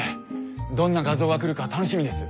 どんな画像が来るか楽しみです。